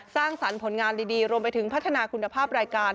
สร้างสรรค์ผลงานดีรวมไปถึงพัฒนาคุณภาพรายการ